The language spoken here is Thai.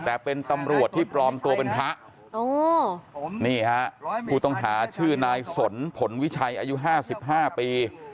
แต่เป็นตำรวจที่ปลอมตัวเป็นพระนี่ฮะผู้ต้องหาชื่อนายสนผลวิชัยอายุ๕๕ปี